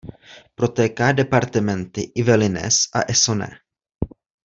Protéká departementy Yvelines a Essonne.